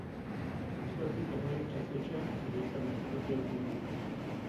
V důsledku toho je přesvědčen, že jsem neutrpěl újmu.